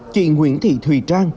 chị nguyễn thị thùy trang